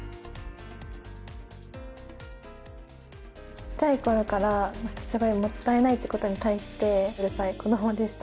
ちっちゃい頃からすごいもったいないって事に対してうるさい子供でした。